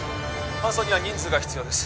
搬送には人数が必要です